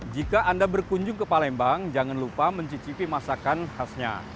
jika anda berkunjung ke palembang jangan lupa mencicipi masakan khasnya